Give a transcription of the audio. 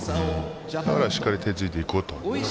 しっかり手をついていこうと。